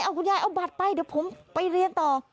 คุณยายเอาบัตรไปเดี๋ยวผมไปเรียนต่อ